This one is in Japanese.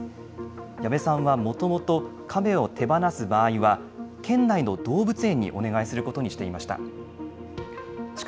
矢部さんはもともと、カメを手放す場合は、県内の動物園にお願いすることにしていました。